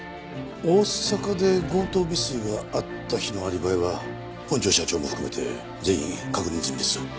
大阪で強盗未遂があった日のアリバイは本庄社長も含めて全員確認済みです。